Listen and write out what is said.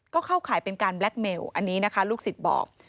ก็เข้าข่ายเป็นการแล็คเมลอันนี้นะคะลูกศิษย์บอก